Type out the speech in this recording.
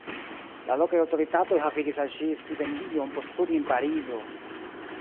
La lokaj aŭtoritatoj havigis al ŝi stipendion por studi en Parizo.